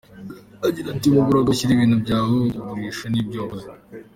Agira ati “Waburaga aho ushyira ibintu byawe, ibyo ugurisha n’ibyo wakoze.